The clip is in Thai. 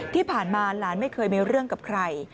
ที่ผ่านมาหลานไม่เคยมีเรื่องกับใคร